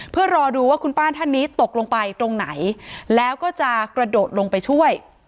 เพื่อรอดูว่าคุณป้าท่านนี้ตกลงไปตรงไหนแล้วก็จะกระโดดลงไปช่วย